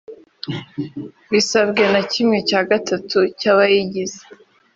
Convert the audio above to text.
bisabwe na kimwe cya gatatu cy abayigize